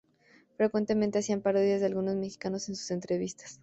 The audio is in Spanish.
Frecuentemente hacían parodias de algunos mexicanos en sus entrevistas.